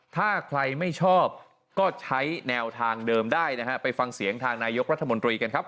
ถ้าใครไม่ชอบก็ใช้แนวทางเดิมได้นะฮะไปฟังเสียงทางนายกรัฐมนตรีกันครับ